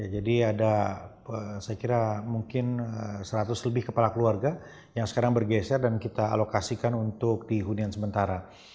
jadi ada saya kira mungkin seratus lebih kepala keluarga yang sekarang bergeser dan kita alokasikan untuk di hunian sementara